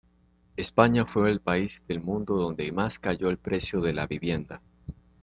España fue el país del mundo donde más cayó el precio de la vivienda.